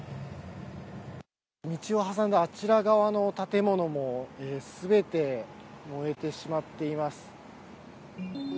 道を挟んだあちら側の建物もすべて燃えてしまっています。